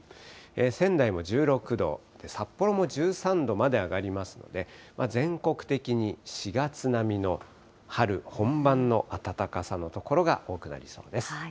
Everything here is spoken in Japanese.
仙台も１６度、札幌も１３度まで上がりますので、全国的に４月並みの春本番の暖かさの所が多くなりそうです。